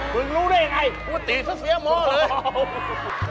มึงรู้ได้ไงปกติจะเสียหมอเลย